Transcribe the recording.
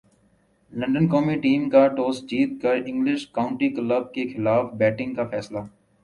London قومی team کا toss جیت کر انگلش کانٹی کلب کیخلاف بیٹنگ کا فیصلہ